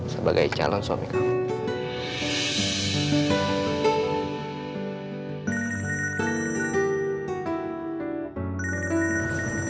sebagai calon suami kamu